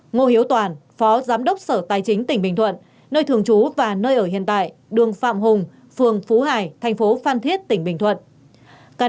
ngô hiếu toàn phó giám đốc sở tài chính tỉnh bình thuận nơi thường trú và nơi ở hiện tại đường phạm hùng phường phú hải thành phố phan thiết tỉnh bình thuận